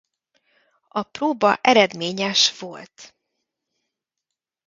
A próba eredményes volt.